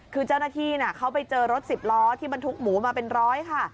คือเจ้าหน้าที่เขาไปเจอรถสิบล้อที่บรรทุกหมูมาเป็นร้อยค่ะ